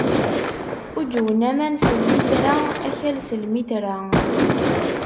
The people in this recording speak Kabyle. Uǧǧwen aman s llitra, akal s lmitra.